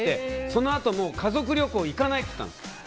そのあと、家族旅行に行かないって言ったんですよ。